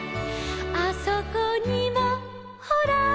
「あそこにもほら」